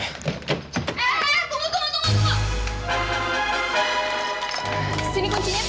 hei tunggu tunggu tunggu